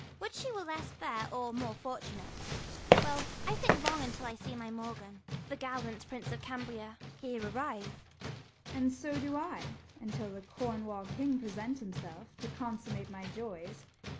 Would she were less fair, or more fortunate. 30 Well, I think long until I see my Morgan, The gallant prince of Cambria, here arrive. Gon. And so do I, until the Cornwall king Present himself, to consummate my joys.